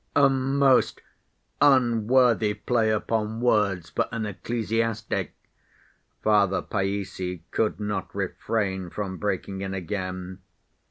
" "A most unworthy play upon words for an ecclesiastic!" Father Païssy could not refrain from breaking in again.